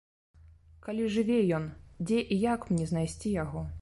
Калі жыве ён, дзе і як мне знайсці яго?